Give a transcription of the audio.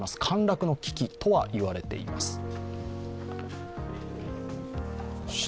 陥落の危機とは言われています。